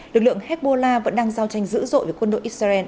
lực lượng hezbollah vẫn đang giao tranh dữ dội với quân đội israel